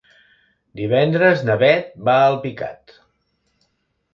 Divendres na Bet va a Alpicat.